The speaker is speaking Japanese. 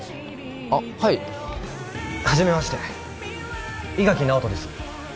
あっはいはじめまして伊垣尚人です